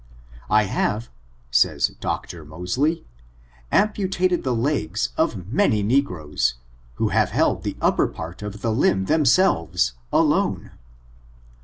I have, says Dr. Mosely, amputated the legs of many negroes, who have held the upper part of the limb themselves, alone.